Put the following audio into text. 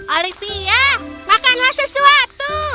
olivia makanlah sesuatu